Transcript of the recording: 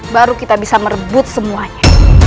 baru kita bisa merebut semuanya